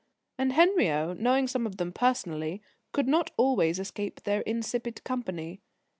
And Henriot, knowing some of them personally, could not always escape their insipid company.